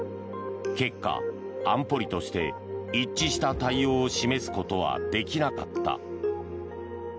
結果、安保理として一致した対応を示すことはできなかった。